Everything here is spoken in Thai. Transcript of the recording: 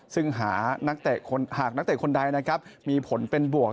ซึ่งหากนักเตะคนใดมีผลเป็นบวก